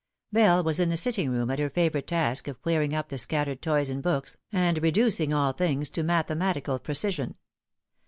Bell was in the sitting room at her favourite task of clearing op the scattered toys and books, and reducing all things to mathematical precision.